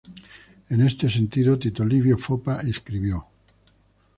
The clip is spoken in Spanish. En ese sentido Tito Livio Foppa escribió